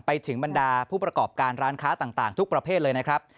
ไปถึงบรรดาผู้ประกอบการร้านค้าต่างทุกประเภทเลยนะครับ